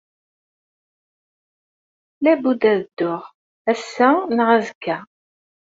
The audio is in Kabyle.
Labudd ad dduɣ, ass-a neɣ azekka.